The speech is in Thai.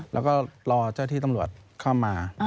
แล้วก็รอเจ้าที่ตำรวจเข้ามา